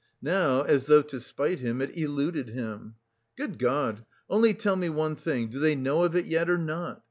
Now, as though to spite him, it eluded him. "Good God, only tell me one thing: do they know of it yet or not?